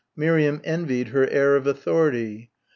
Miriam envied her air of authority.